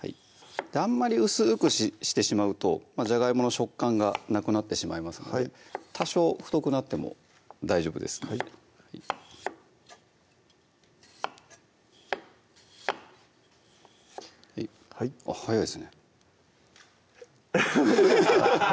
あんまり薄くしてしまうとじゃがいもの食感がなくなってしまいますので多少太くなっても大丈夫ですのではいはい早いですね